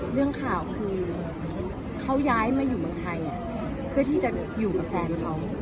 เรื่องข่าวคือเขาย้ายมาอยู่เมืองไทยเพื่อที่จะอยู่กับแฟนเขา